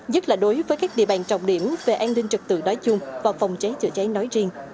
nhất là đối với các địa bàn trọng điểm về an ninh trật tự đói chung và phòng cháy chữa cháy nói riêng